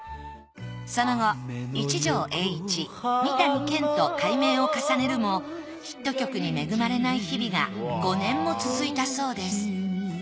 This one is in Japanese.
その後一条英一三谷謙と改名を重ねるもヒット曲に恵まれない日々が５年も続いたそうです。